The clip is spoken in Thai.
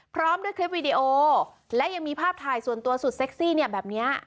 พร้อมด้วยคลิปวีดีโอและยังมีภาพถ่ายส่วนตัวสุดเซ็กซี่เนี่ยแบบนี้